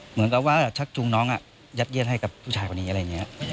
เหมือนกับว่าชักจูงน้องยัดเยียดให้กับผู้ชายคนนี้อะไรอย่างนี้